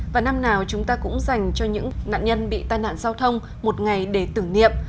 và năm nào chúng ta cũng dành cho những nạn nhân bị tai nạn giao thông một ngày để tưởng niệm